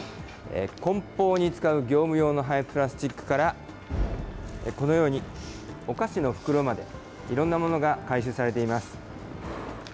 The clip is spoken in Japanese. こん包に使う業務用の廃プラスチックから、このようにお菓子の袋まで、いろんなものが回収されています。